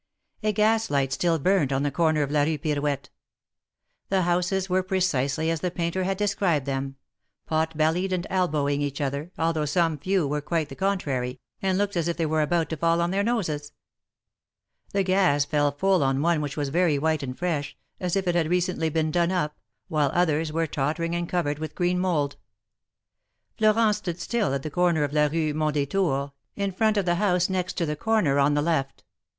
A gas light still burned on the corner of la Rue Pirouette. The houses were precisely as the painter had described them — pot bellied, and elbowing each other, although some few were quite the contrary, and looked as if they were about to fall on their noses. The gas fell full on one which was very white and fresh, as if it had recently been done up, while others were tottering and covered with green mould. Florent stood still at the corner of la Rue Mond^tour, in front of the house next to the corner on the left.